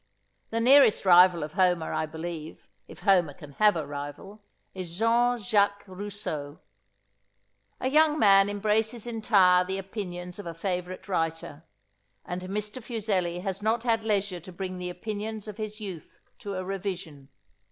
The nearest rival of Homer, I believe, if Homer can have a rival, is Jean Jacques Rousseau. A young man embraces entire the opinions of a favourite writer, and Mr. Fuseli has not had leisure to bring the opinions of his youth to a revision.